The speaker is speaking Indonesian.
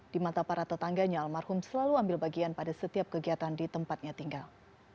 di mata para tetangganya almarhum selalu ambil bagian pada setiap kegiatan di tempatnya tinggal